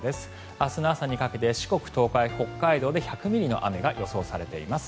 明日の朝にかけて四国、東海、北海道で１００ミリの雨が予想されています。